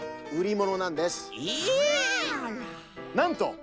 なんと！